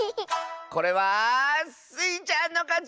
これはスイちゃんのかち！